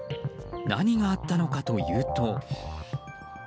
何があったのかというと。